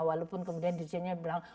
walaupun kemudian dirjennya bilang